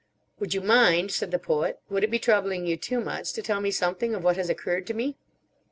"Would you mind," said the Poet, "would it be troubling you too much to tell me something of what has occurred to me?"